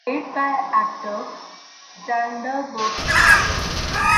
It is played by actor Xander Berkeley.